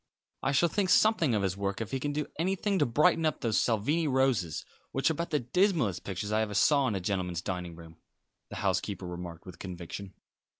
"I shall think something of his work if he can do anything to brighten up those Salvini Roses, which are about the dismallest pictures I ever saw in a gentleman's dining room," the housekeeper remarked with conviction.